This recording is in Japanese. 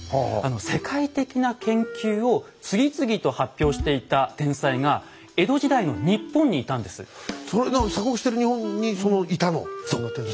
世界的な研究を次々と発表していた天才が江戸時代の日本にいたんです。